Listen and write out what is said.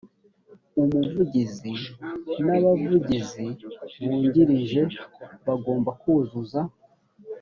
umuvugizi n abavugizi bungirije bagomba kuzuza